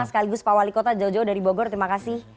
sekaligus pak wali kota jauh jauh dari bogor terima kasih